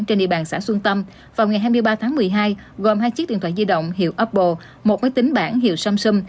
trên địa bàn xã xuân tâm vào ngày hai mươi ba tháng một mươi hai gồm hai chiếc điện thoại di động hiệu apple một máy tính bản hiệu samsum